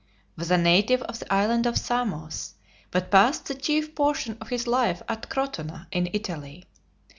was a native of the island of Samos, but passed the chief portion of his life at Crotona in Italy.